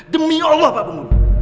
demi allah pak penghulu